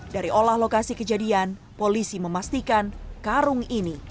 dari olah lokasi kejadian polisi memastikan karung ini